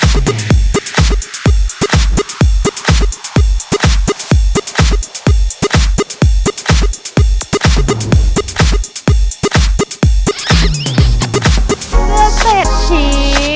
เสื้อเสร็จฉี